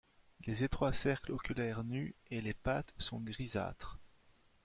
Les étroits cercles oculaires nus et les pattes sont grisâtres.